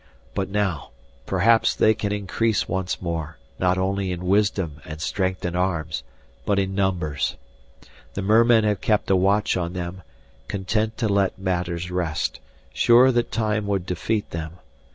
But now, perhaps they can increase once more, not only in wisdom and strength of arms, but in numbers. The mermen have kept a watch on them, content to let matters rest, sure that time would defeat them.